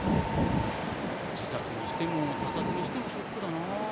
自殺にしても他殺にしてもショックだなぁ。